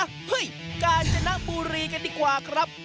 เฮ้ยกาญจนบุรีกันดีกว่าครับ